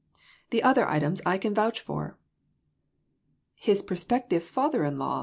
The other items I can vouch for." " His prospective father in law